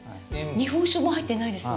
日本酒も入っていないですね？